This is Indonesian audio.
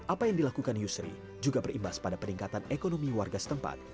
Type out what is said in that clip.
apa yang dilakukan yusri juga berimbas pada peningkatan ekonomi warga setempat